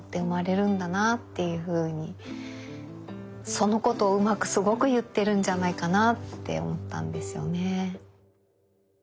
そのことをうまくすごく言ってるんじゃないかなって思ったんですよね。